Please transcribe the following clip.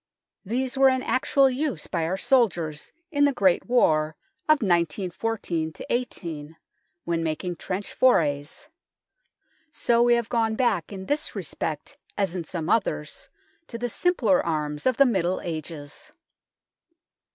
These THE NORMAN KEEP 39 were in actual use by our soldiers in the Great War of 1914 18, when making trench forays. So we have gone back, in this respect as in some others, to the simpler arms of the Middle Ages.